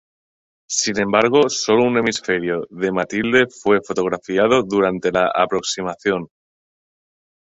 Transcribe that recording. Sin embargo, solo un hemisferio de Mathilde fue fotografiado durante la aproximación.